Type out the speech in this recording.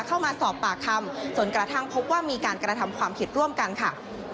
เข้ามาสอบปากคำจนกระทั่งพบว่ามีการกระทำความผิดร่วมกันค่ะ